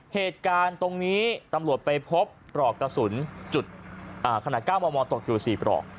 เหตุการณ์ตรงนี้ตำรวจไปพบปลอกกระสุนจุดขนาด๙มมตกอยู่๔ปลอก